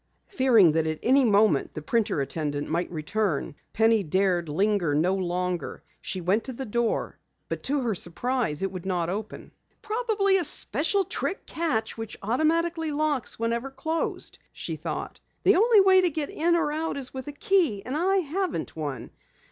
Fearing that at any moment the printer attendant might return, Penny dared linger no longer. She went to the door but to her surprise it would not open. "Probably a special trick catch which automatically locks whenever closed," she thought. "The only way to get in or out is with a key, and I haven't one.